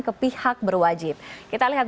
ke pihak berwajib kita lihat